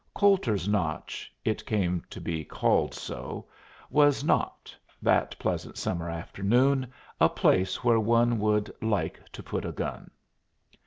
Coulter's Notch it came to be called so was not, that pleasant summer afternoon, a place where one would "like to put a gun."